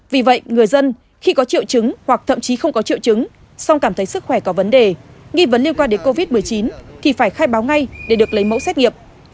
vì vậy người dân khi có triệu chứng hoặc thậm chí không có triệu chứng xong cảm thấy sức khỏe có vấn đề nghi vấn liên quan đến covid một mươi chín thì phải khai báo ngay để được lấy mẫu xét nghiệm